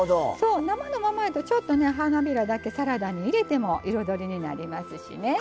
生のままやとちょっとね花びらだけサラダに入れても彩りになりますしね。